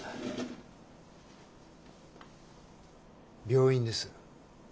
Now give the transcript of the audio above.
病院です。